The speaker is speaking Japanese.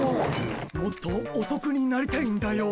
もっとおとくになりたいんだよ。